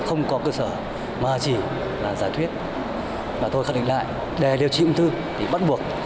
không có cơ sở mà chỉ là giả thuyết mà tôi khẳng định lại để điều trị ung thư thì bắt buộc